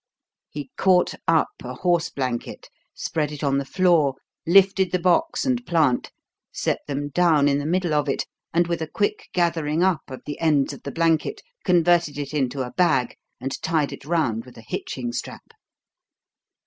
He caught up a horse blanket, spread it on the floor, lifted the box and plant, set them down in the middle of it, and with a quick gathering up of the ends of the blanket converted it into a bag and tied it round with a hitching strap.